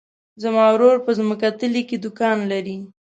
زما ورور په ځمکتلي کې دوکان لری.